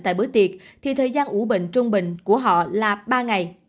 tại bữa tiệc thì thời gian ủ bệnh trung bình của họ là ba ngày